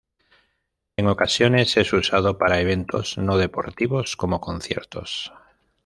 En ocasiones, es usado para eventos no deportivos como conciertos.